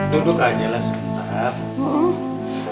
duduk aja lah sebentar